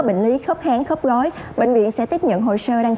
đài truyền thông